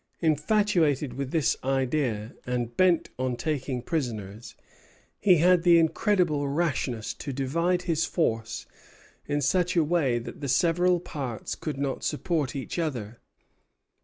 Infatuated with this idea, and bent on taking prisoners, he had the incredible rashness to divide his force in such a way that the several parts could not support each other.